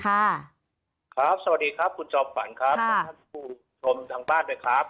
ครับสวัสดีครับคุณจอบฝั่งครับคุณผู้ชมทางบ้านด้วยครับ